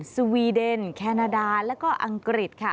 สวีเดนแคนาดาแล้วก็อังกฤษค่ะ